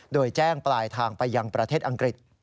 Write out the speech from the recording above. โดยแจ้งปลายทางไปยังประเทศอังกฤษ